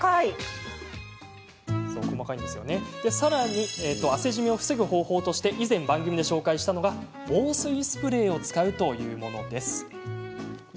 また、汗じみを防ぐ方法として以前、番組で紹介したのが防水スプレーを使うというものです。